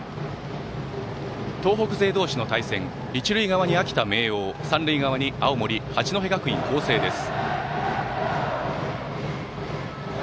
東北勢同士の対戦一塁側に秋田・明桜三塁側に青森・八戸学院光星です。